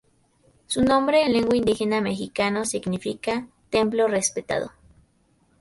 Su nombre en lengua indígena mexicano significa "Templo Respetado".